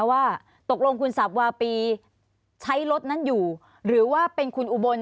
ว่าตกลงคุณสับวาปีใช้รถนั้นอยู่หรือว่าเป็นคุณอุบล